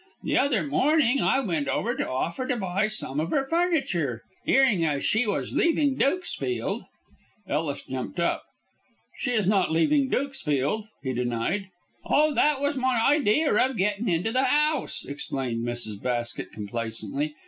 The other morning I went over to offer to buy some of her furniture, 'earing as she was leaving Dukesfield." Ellis jumped up. "She is not leaving Dukesfield," he denied. "Oh, that was my idear of getting into the 'ouse," explained Mrs. Basket, complacently.